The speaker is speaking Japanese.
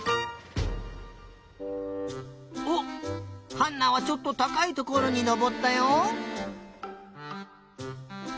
おっハンナはちょっとたかいところにのぼったよ。